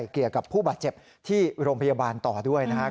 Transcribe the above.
เกี่ยวกับผู้บาดเจ็บที่โรงพยาบาลต่อด้วยนะครับ